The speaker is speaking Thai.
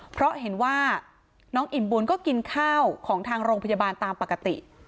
เพราะเห็นว่าน้องอิ่มบุญก็กินข้าวของทางโรงพยาบาลตามปกติ